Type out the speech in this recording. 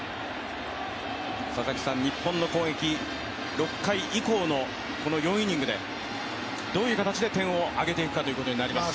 日本の攻撃、６回以降の４イニングでどういう形で点を挙げていくかということになります。